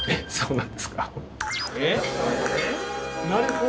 なるほど！